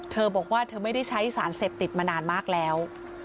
เธอบอกว่าเธอไม่ได้ใช้สารเสพติดมานานมากแล้ว